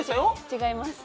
違います。